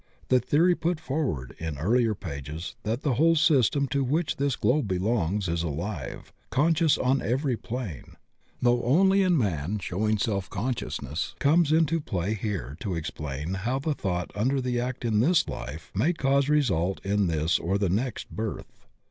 The theory put forward in earUer pages that the whole system to which dus globe belongs is alive, conscious on every plane, though only in man showing self consciousness, comes into play here to explain how the thought under the act in this life may cause result in this or the next birth.